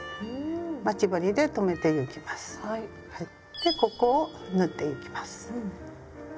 でここを縫ってゆきます。